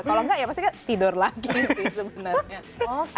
kalau enggak ya pasti kan tidur lagi sih sebenarnya